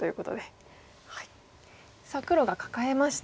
さあ黒がカカえました。